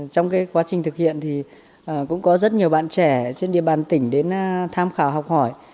trong quá trình thực hiện thì cũng có rất nhiều bạn trẻ trên địa bàn tỉnh đến tham khảo học hỏi